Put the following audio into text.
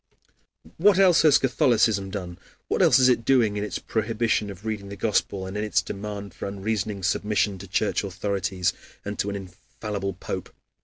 What else has Catholicism done, what else is it doing in its prohibition of reading the Gospel, and in its demand for unreasoning submission to Church authorities and to an infallible Pope?